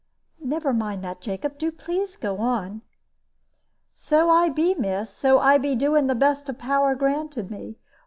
"Never mind that, Jacob. Do please to go on." "So I be, miss. So I be doing to the best of the power granted me.